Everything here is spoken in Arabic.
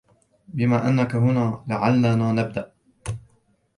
بما أنك هنا، لعلنا نبدأ.